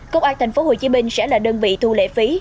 công an thành phố hồ chí minh sẽ là đơn vị thu lễ phí